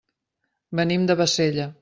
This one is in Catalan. Venim de Bassella.